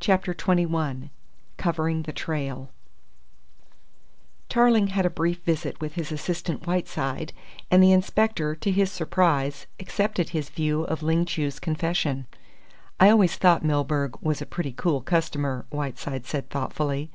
CHAPTER XXI COVERING THE TRAIL Tarling had a brief interview with his assistant Whiteside, and the Inspector, to his surprise, accepted his view of Ling Chu's confession. "I always thought Milburgh was a pretty cool customer," Whiteside said thoughtfully.